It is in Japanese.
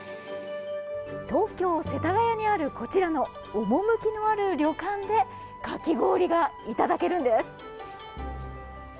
東京・世田谷にあるこちらの趣のある旅館でかき氷がいただけるんです。